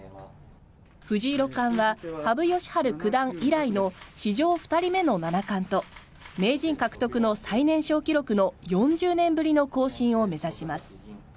藤井六冠は羽生善治九段以来の史上２人目の七冠と名人獲得の最年少記録の４０年ぶりの更新を目指します。